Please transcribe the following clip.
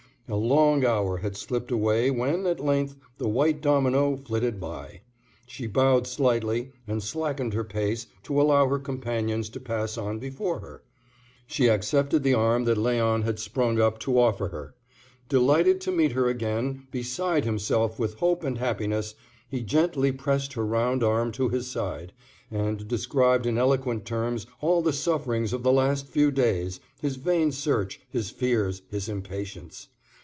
A long hour had slipped away when, at length, the white domino flitted by. She bowed slightly, and, slackening her pace to allow her companions to pass on before her, she accepted the arm that Léon had sprung up to offer her. Delighted to meet her again, beside himself with hope and happiness, he gently pressed her round arm to his side, and described in eloquent terms all the sufferings of the last few days, his vain search, his fears, his impatience.